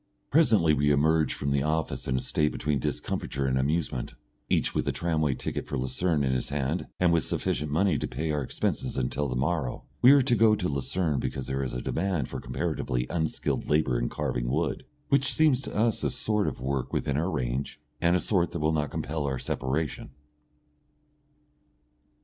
Presently we emerge from the office in a state between discomfiture and amusement, each with a tramway ticket for Lucerne in his hand and with sufficient money to pay our expenses until the morrow. We are to go to Lucerne because there there is a demand for comparatively unskilled labour in carving wood, which seems to us a sort of work within our range and a sort that will not compel our separation.